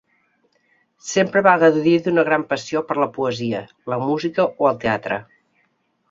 Sempre va gaudir d'una gran passió per la poesia, la música o el teatre.